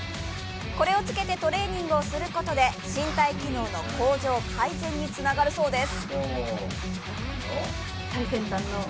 これをつけてトレーニングすることで身体機能の改善につながるそうです。